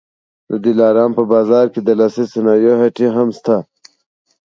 د دلارام په بازار کي د لاسي صنایعو هټۍ هم سته